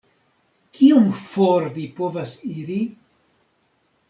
Kiom for vi povas iri?